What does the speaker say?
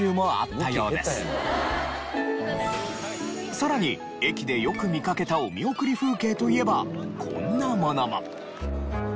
さらに駅でよく見かけたお見送り風景といえばこんなものも。